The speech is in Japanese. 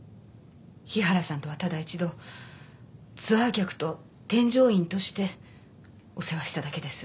日原さんとはただ一度ツアー客と添乗員としてお世話しただけです。